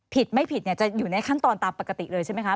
ผิดไม่ผิดจะอยู่ในขั้นตอนตามปกติเลยใช่ไหมคะ